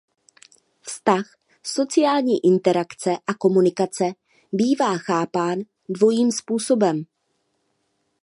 Vztah sociální interakce a komunikace bývá chápán dvojím způsobem.